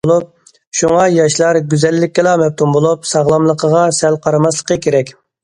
شۇڭا، ياشلار گۈزەللىكىلا مەپتۇن بولۇپ، ساغلاملىقىغا سەل قارىماسلىقى كېرەك.